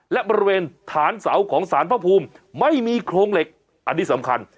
และบริเวณฐานเสาของสารพระภูมิไม่มีโครงเหล็กอันนี้สำคัญ